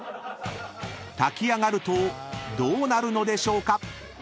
［炊き上がるとどうなるのでしょうか？］